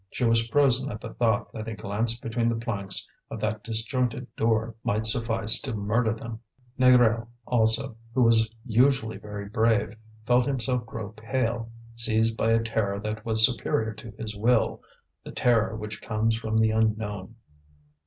She was frozen at the thought that a glance between the planks of that disjointed door might suffice to murder them. Négrel also, who was usually very brave, felt himself grow pale, seized by a terror that was superior to his will, the terror which comes from the unknown.